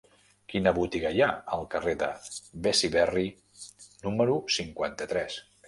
Quina botiga hi ha al carrer de Besiberri número cinquanta-tres?